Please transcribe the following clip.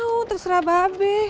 oh terserah babe